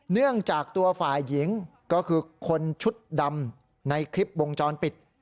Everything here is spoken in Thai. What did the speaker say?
เนื่องจากตัวฝ่ายหญิงก็คือคนชุดดำในคลิปวงจรปิด